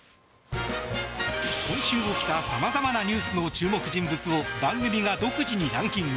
今週起きた様々なニュースの注目人物を番組が独自にランキング。